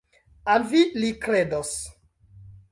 Al vi li kredos!